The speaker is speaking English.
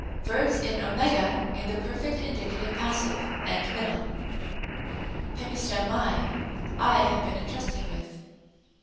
Verbs in @, in the perfect, indicative, passive (and middle). πεπίστευμαι, I have been intrusted with.